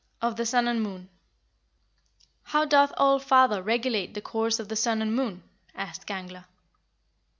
OF THE SUN AND MOON. 11. "How doth All father regulate the course of the sun and moon?" asked Gangler.